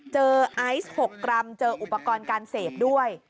ไอซ์๖กรัมเจออุปกรณ์การเสพด้วย